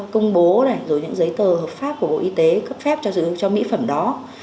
công bố này rồi những giấy tờ hợp pháp của bộ y tế cấp phép cho sử dụng cho mỹ phẩm đó